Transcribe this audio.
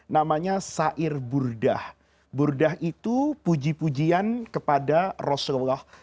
namanya sair burdah burdah itu puji pujian kepada rasulullah